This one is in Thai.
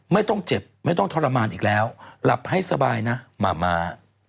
ไม่ต้องเจ็บไม่ต้องทรมานอีกแล้วหลับให้สบายนะหมาม้า